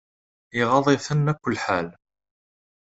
Iɣaḍ-iten akk lḥal.